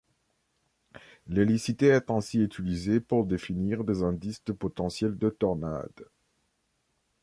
L'hélicité est ainsi utilisé pour définir des indices de potentiel de tornades.